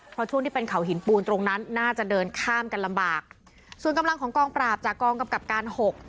เพราะช่วงที่เป็นเขาหินปูนตรงนั้นน่าจะเดินข้ามกันลำบากส่วนกำลังของกองปราบจากกองกำกับการหก